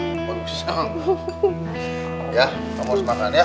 iya udah s vielleicht la deh gak baik n youtuber sekarang americans